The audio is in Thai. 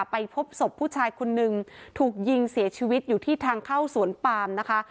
ไปพบศพผู้ชายคนนึงถูกยิงเสียชีวิตอยู่ที่ทางเข้าสวนปามนะคะ